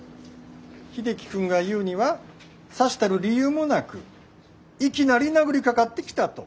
英樹君が言うにはさしたる理由もなくいきなり殴りかかってきたと。